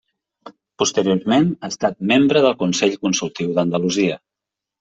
Posteriorment ha estat membre del Consell Consultiu d'Andalusia.